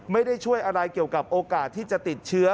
ไม่ได้ช่วยอะไรเกี่ยวกับโอกาสที่จะติดเชื้อ